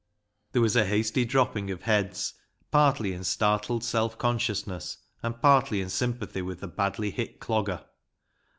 There was a hasty dropping of heads, partly in startled self consciousness, and partly in sympathy with the badly hit Clogger.